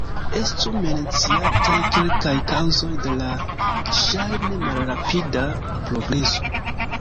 Estu menciataj kelkaj kaŭzoj de la ŝajne malrapida progreso.